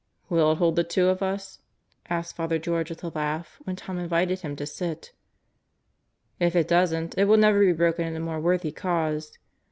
"Will it hold the two of us?" asked Father George with a laugh, when Tom invited him to sit. "If it doesn't, it will never be broken in a more worthy cause.